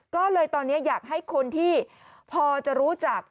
ก็เลยตอนนี้อยากให้คนที่พอจะรู้จัก